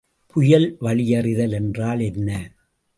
புயல் வழியறிதல் என்றால் என்ன?